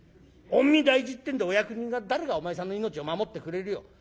御身大事ってんでお役人が誰がお前さんの命を守ってくれるよ。